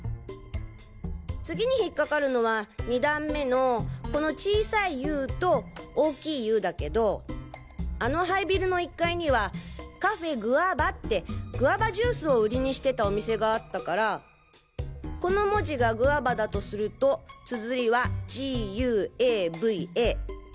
次にひっかかるのは２段目のこの小さい「ｕ」と大きい「Ｕ」だけどあの廃ビルの１階にはカフェグアバってグアバジュースを売りにしてたお店があったからこの文字がグアバだとするとつづりはＧ・Ｕ・Ａ・Ｖ・Ａ。